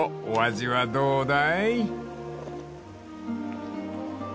お味はどうだい？］